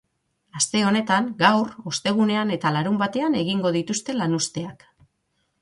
Aste honetan, gaur, ostegunean eta larunbatean egingo dituzte lanuzteak.